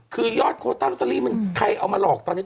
คือยอดโคตรที่โรตาลีมันใครเอามาหลอกตอนนี้